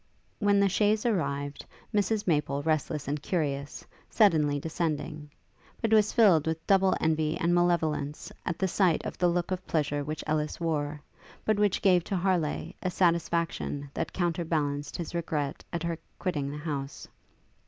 When the chaise arrived, Mrs Maple restless and curious, suddenly descended; but was filled with double envy and malevolence, at sight of the look of pleasure which Ellis wore; but which gave to Harleigh a satisfaction that counter balanced his regret at her quitting the house.